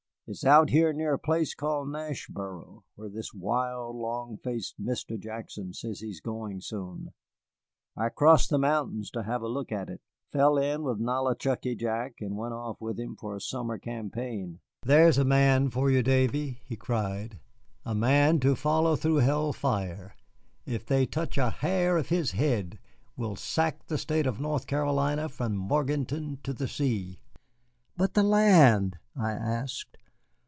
It is out here near a place called Nashboro, where this wild, long faced Mr. Jackson says he is going soon. I crossed the mountains to have a look at it, fell in with Nollichucky Jack, and went off with him for a summer campaign. There's a man for you, Davy," he cried, "a man to follow through hell fire. If they touch a hair of his head we'll sack the State of North Carolina from Morganton to the sea." "But the land?" I asked.